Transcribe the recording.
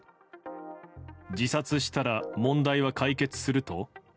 自殺したら問題は解決すると？